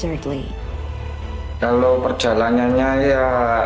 lestri telah telah dipaksa